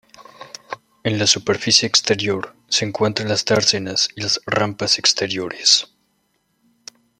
En la superficie exterior se encuentran las dársenas y las rampas exteriores.